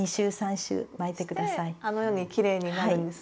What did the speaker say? してあのようにきれいになるんですね。